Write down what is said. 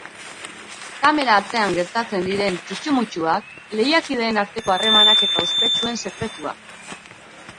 Kamera atzean gertatzen diren txutxu-mutxuak, lehiakideen arteko harremanak eta ospetsuen sekretuak.